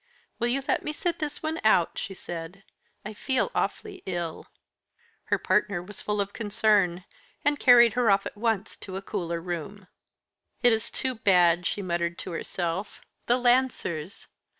"Will you let me sit this out?" she said. "I feel awfully ill." Her partner was full of concern, and carried her off at once to a cooler room. "It is too bad!" she muttered to herself. "The Lancers!